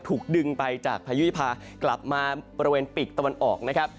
ถูกดึงไปจากพายุวิพากลับมาบริเวณปีกตะวันออกนะครับ